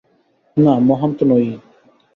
না, মহান তো নয়ই।